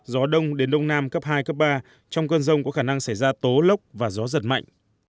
gió đông đến đông nam cấp hai cấp ba trong cơn rông có khả năng xảy ra tố lốc và gió giật mạnh